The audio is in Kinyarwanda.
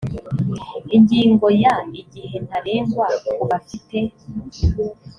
ingingo ya igihe ntarengwa ku bafite